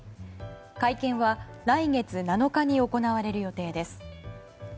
会見は来月７日に行われる予定です。